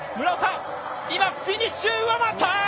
村岡、今フィニッシュ！